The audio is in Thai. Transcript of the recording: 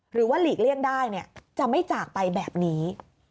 หรือว่าหลีกเลี่ยงได้เนี่ยจะไม่จากไปแบบนี้